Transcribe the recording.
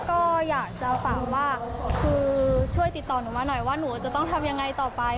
ก็อยากจะฝากว่าคือช่วยติดต่อหนูมาหน่อยว่าหนูจะต้องทำยังไงต่อไป